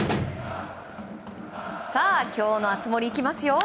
今日の熱盛いきますよ。